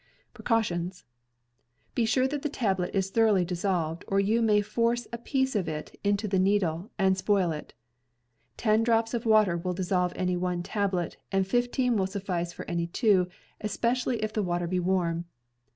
PRECAUTIONS— Be sure that the tablet is thoroughly dissolved, or you may force a piece into the needle and spoil it. Ten drops of water will dissolve any one tablet, and fifteen will suffice for any two, especially if the water be warm.